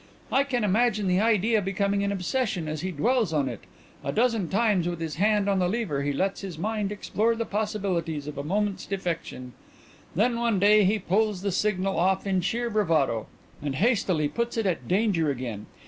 I can imagine the idea becoming an obsession as he dwells on it. A dozen times with his hand on the lever he lets his mind explore the possibilities of a moment's defection. Then one day he pulls the signal off in sheer bravado and hastily puts it at danger again.